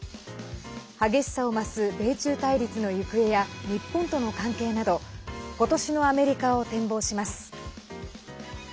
激しさを増す米中対立の行方や日本との関係など今年のアメリカを展望します。